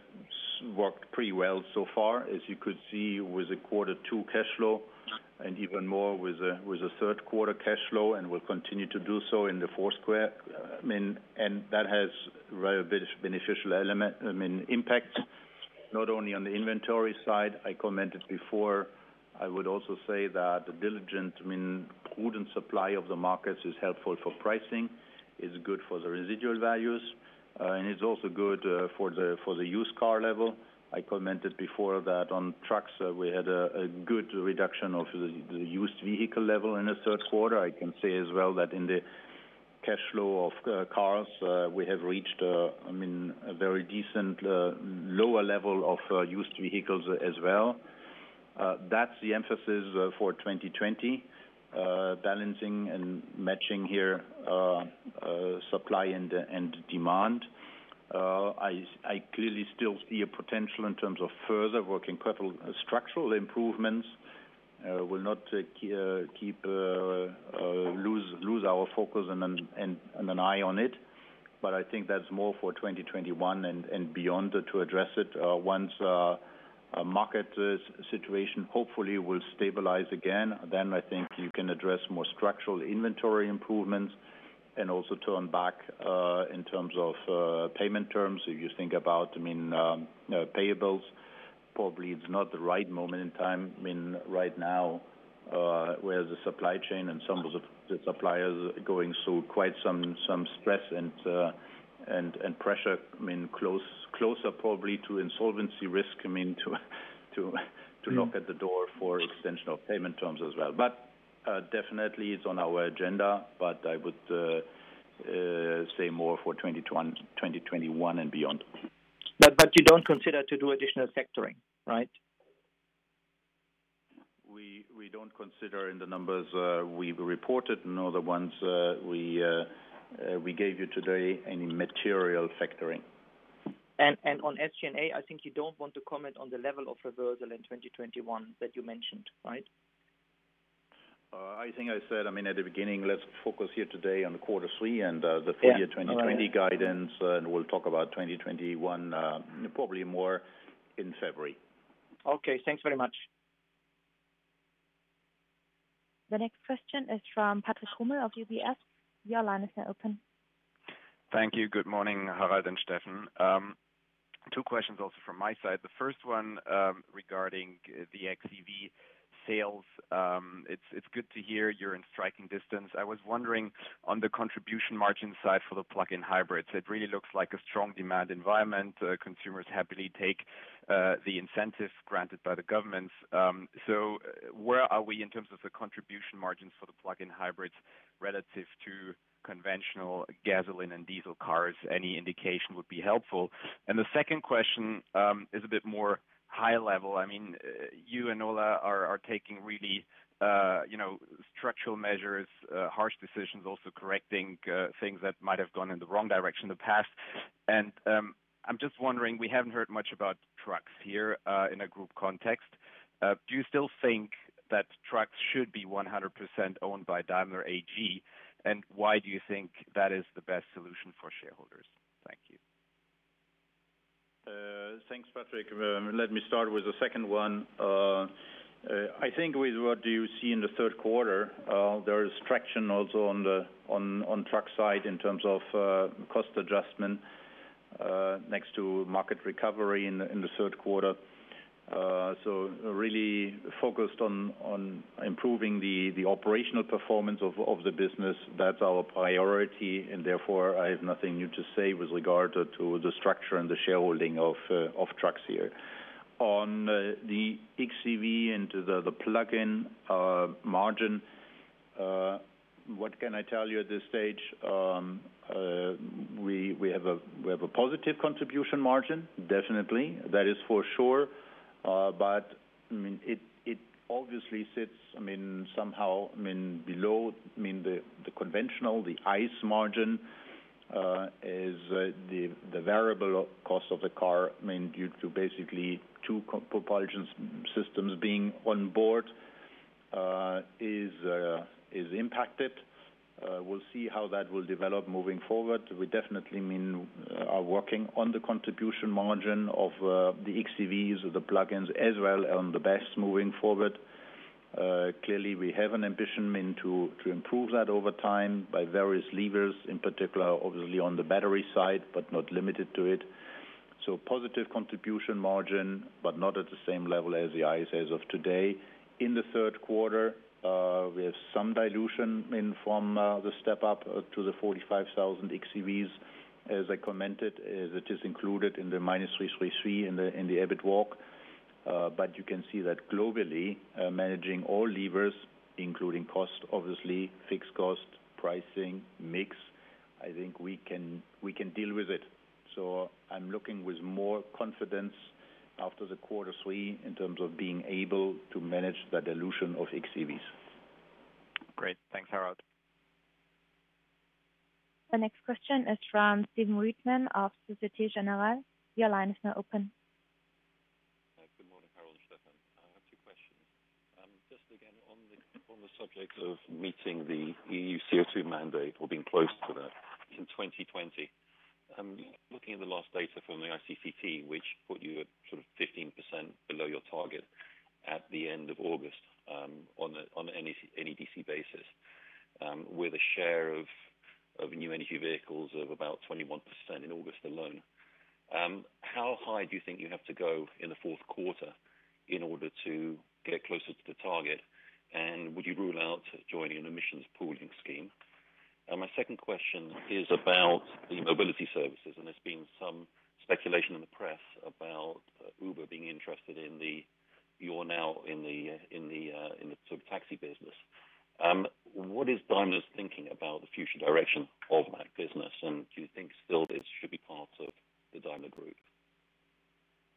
worked pretty well so far, as you could see with the quarter two cashflow and even more with the third quarter cashflow and will continue to do so in the fourth quarter. That has a beneficial element, impact, not only on the inventory side I commented before. I would also say that the diligent, prudent supply of the markets is helpful for pricing. It's good for the residual values. It's also good for the used car level. I commented before that on trucks, we had a good reduction of the used vehicle level in the third quarter. I can say as well that in the cash flow of cars, we have reached a very decent, lower level of used vehicles as well. That's the emphasis for 2020, balancing and matching here supply and demand. I clearly still see a potential in terms of further working capital structural improvements. We'll not lose our focus and an eye on it. I think that's more for 2021 and beyond to address it. Once our market situation hopefully will stabilize again, I think you can address more structural inventory improvements and also turn back, in terms of payment terms. If you think about payables, probably it's not the right moment in time right now, where the supply chain and some of the suppliers are going through quite some stress and pressure, closer probably to insolvency risk, to knock at the door for extension of payment terms as well. Definitely it's on our agenda, but I would say more for 2021 and beyond. You don't consider to do additional factoring, right? We don't consider in the numbers we reported nor the ones we gave you today any material factoring. On SG&A, I think you don't want to comment on the level of reversal in 2021 that you mentioned, right? I think I said at the beginning, let's focus here today on quarter three and the full-. Yeah. All right. year 2020 guidance, and we'll talk about 2021 probably more in February. Okay. Thanks very much. The next question is from Patrick Hummel of UBS. Your line is now open. Thank you. Good morning, Harald and Steffen. Two questions also from my side. The first one regarding the xEV sales. It's good to hear you're in striking distance. I was wondering on the contribution margin side for the plug-in hybrids, it really looks like a strong demand environment. Consumers happily take the incentive granted by the governments. Where are we in terms of the contribution margins for the plug-in hybrids relative to conventional gasoline and diesel cars? Any indication would be helpful. The second question is a bit more high-level. You and Ola are taking really structural measures, harsh decisions, also correcting things that might have gone in the wrong direction in the past. I'm just wondering, we haven't heard much about trucks here in a group context. Do you still think that trucks should be 100% owned by Daimler AG? Why do you think that is the best solution for shareholders? Thank you. Thanks, Patrick. Let me start with the second one. I think with what you see in the third quarter, there is traction also on truck side in terms of cost adjustment next to market recovery in the third quarter. Really focused on improving the operational performance of the business. That's our priority. Therefore, I have nothing new to say with regard to the structure and the shareholding of trucks here. On the xEV and the plug-in margin, what can I tell you at this stage? We have a positive contribution margin, definitely. That is for sure. It obviously sits somehow below the conventional, the ICE margin, is the variable cost of the car due to basically two propulsion systems being on board, is impacted. We'll see how that will develop moving forward. We definitely are working on the contribution margin of the xEVs, the plug-ins, as well on the best moving forward. Clearly, we have an ambition to improve that over time by various levers, in particular, obviously on the battery side, but not limited to it. Positive contribution margin, but not at the same level as the ICE as of today. In the third quarter, we have some dilution from the step-up to the 45,000 xEVs, as I commented, that is included in the -333 million in the EBIT walk. You can see that globally, managing all levers, including cost, obviously fixed cost, pricing mix, I think we can deal with it. I'm looking with more confidence after the quarter three in terms of being able to manage the dilution of xEVs. Great. Thanks, Harald. The next question is from Stephen Reitman of Société Générale. Your line is now open. Good morning, Harald and Steffen. I have two questions. Just again, on the subject of meeting the EU CO2 mandate or being close to that in 2020. Looking at the last data from the ICCT, which put you at 15% below your target at the end of August on an NEDC basis, with a share of new energy vehicles of about 21% in August alone. How high do you think you have to go in the fourth quarter in order to get closer to the target? Would you rule out joining an emissions pooling scheme? My second question is about the mobility services, and there's been some speculation in the press about Uber being interested. You're now in the sort of taxi business. What is Daimler's thinking about the future direction of that business, and do you think still this should be part of the Daimler Group?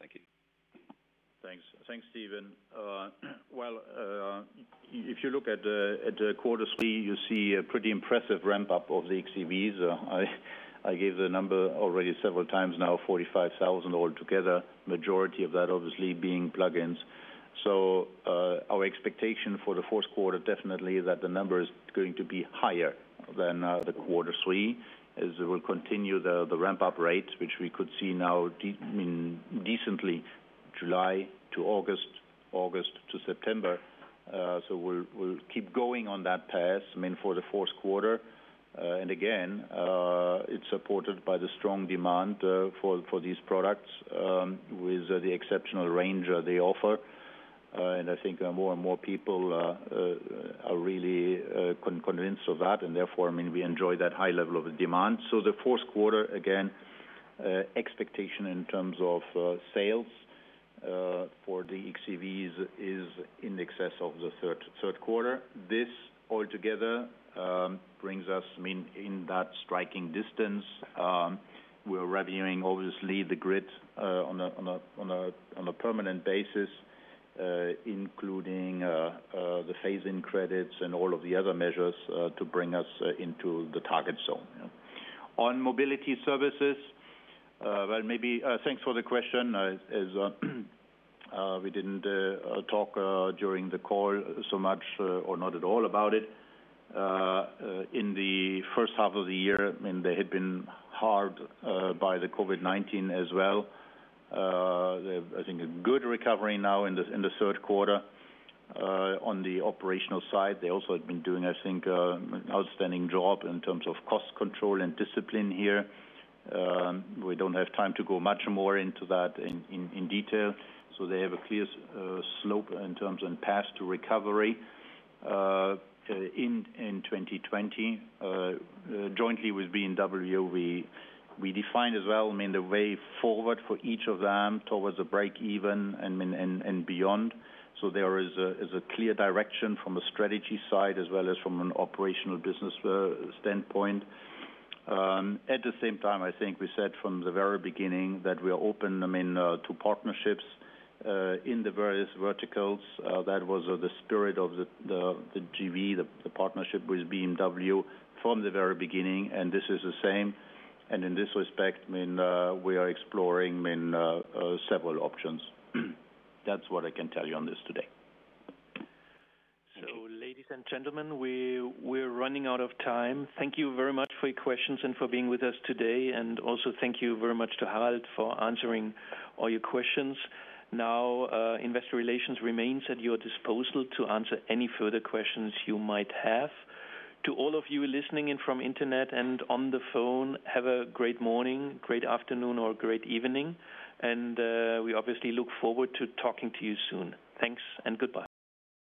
Thank you. Thanks, Stephen. Well, if you look at the quarter three, you see a pretty impressive ramp-up of the xEVs. I gave the number already several times now, 45,000 altogether, majority of that obviously being plug-ins. Our expectation for the fourth quarter definitely that the number is going to be higher than the quarter three, as we will continue the ramp-up rate, which we could see now decently July to August, August to September. We'll keep going on that path, for the fourth quarter. Again, it's supported by the strong demand for these products with the exceptional range they offer. I think more and more people are really convinced of that, and therefore, we enjoy that high level of demand. The fourth quarter, again, expectation in terms of sales for the xEVs is in excess of the third quarter. This all together brings us in that striking distance. We're reviewing, obviously, the grid on a permanent basis, including the phase-in credits and all of the other measures to bring us into the target zone. On mobility services, thanks for the question, as we didn't talk during the call so much or not at all about it. In the first half of the year, they had been hard by the COVID-19 as well. I think a good recovery now in the third quarter on the operational side. They also have been doing, I think, outstanding job in terms of cost control and discipline here. We don't have time to go much more into that in detail. They have a clear slope in terms and path to recovery. In 2020, jointly with BMW, we defined as well the way forward for each of them towards a break-even and beyond. There is a clear direction from a strategy side as well as from an operational business standpoint. At the same time, I think we said from the very beginning that we are open to partnerships in the various verticals. That was the spirit of the JV, the partnership with BMW from the very beginning, and this is the same. In this respect, we are exploring several options. That's what I can tell you on this today. Ladies and gentlemen, we're running out of time. Thank you very much for your questions and for being with us today. Also thank you very much to Harald for answering all your questions. Now, Investor Relations remains at your disposal to answer any further questions you might have. To all of you listening in from internet and on the phone, have a great morning, great afternoon, or great evening. We obviously look forward to talking to you soon. Thanks and goodbye.